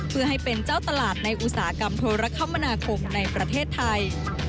เพื่อให้เป็นเจ้าตลาดในอุตสาหกรรมโทรคมนาคมในประเทศไทย